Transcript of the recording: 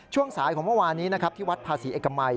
ช่วงสายของเมื่อวานนี้นะครับที่วัดภาษีเอกมัย